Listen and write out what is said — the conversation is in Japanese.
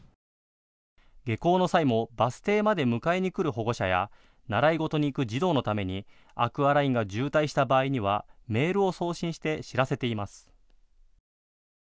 下校の際もバス停まで迎えに来る保護者や習い事に行く児童のためにアクアラインが渋滞した場合にはメールを送信して知らせています。